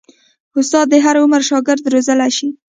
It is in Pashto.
استاد د هر عمر شاګرد روزلی شي.